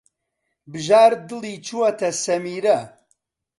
بژار دڵی چووەتە سەمیرە.